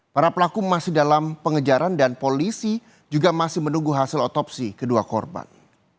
para pelaku masih dalam pengejaran dan polisi juga masih menunggu hasil otopsi kedua korban